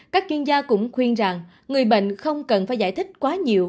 các chuyên gia cũng khuyên rằng người bệnh không cần phải giải thích quá nhiều